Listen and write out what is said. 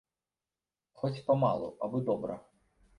Хоць памалу, абы добра